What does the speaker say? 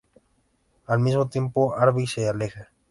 Al mismo tiempo, Harvey se aleja.